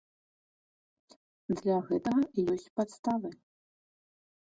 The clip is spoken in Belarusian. Для гэтага ёсць падставы.